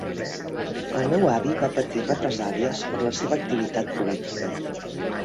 El meu avi va patir represàlies per la seva activitat política.